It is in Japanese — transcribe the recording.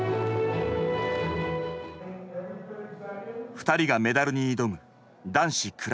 ２人がメダルに挑む男子クラシカル。